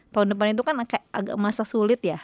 tahun depan itu kan agak masa sulit ya